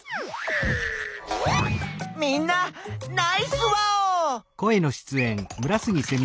みんなナイスワオ！